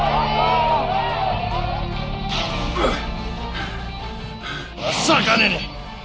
aku akan mencari